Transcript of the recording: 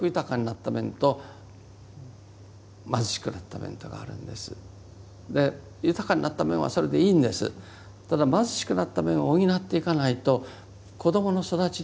ただ貧しくなった面を補っていかないと子どもの育ちに関わってくる。